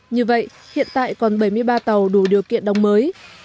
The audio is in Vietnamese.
như vậy hiện tại còn bảy mươi ba tàu đủ điều kiện đóng mới